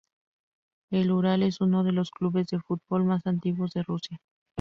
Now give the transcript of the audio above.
El Ural es uno de los clubes de fútbol más antiguos de Rusia.